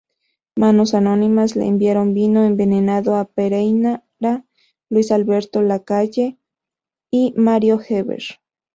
Manos anónimas le enviaron vino envenenado a Pereyra, Luis Alberto Lacalle y Mario Heber.